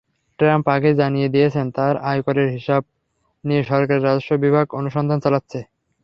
Trump আগেই জানিয়ে দিয়েছেন, তাঁর আয়করের হিসাব নিয়ে সরকারের রাজস্ব বিভাগ অনুসন্ধান চালাচ্ছে।